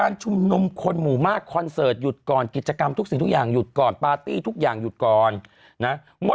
อะไรอย่างนี้หยุดก่อน